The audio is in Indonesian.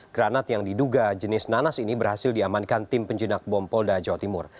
granat yang diduga jenis nanas ini berhasil diamankan tim penjenak bom polda jawa timur